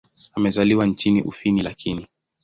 Amezaliwa nchini Ufini lakini.